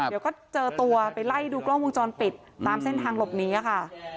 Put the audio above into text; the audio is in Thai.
เดี๋ยวก็เจอตัวไปไล่ดูกล้องวงจรปิดตามเส้นทางหลบนี้ค่ะ